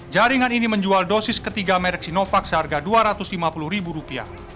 jaringan ini menjual dosis ketiga merek sinovac seharga rp dua ratus lima puluh